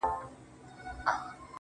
• له يوه كال راهيسي.